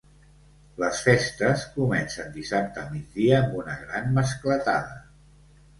Les festes comencen dissabte a migdia amb una gran mascletada.